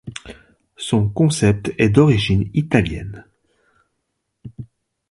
Son concept est d'origine italienne.